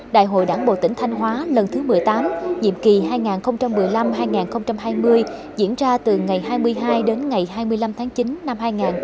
đại hội đảng bộ tỉnh thanh hóa lần thứ một mươi tám nhiệm kỳ hai nghìn một mươi năm hai nghìn hai mươi diễn ra từ ngày hai mươi hai đến ngày hai mươi năm tháng chín năm hai nghìn hai mươi